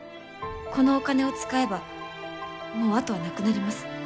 このお金を使えばもう後はなくなります。